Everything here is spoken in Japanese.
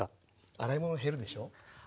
洗い物減るでしょう。